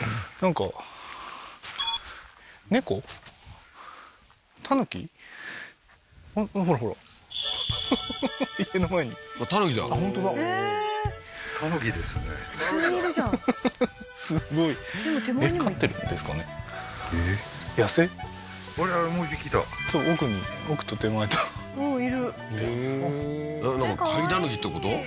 なんか飼い狸ってこと？